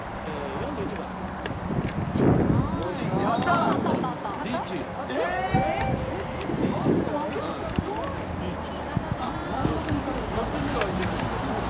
４つしか開いてないけどリーチ。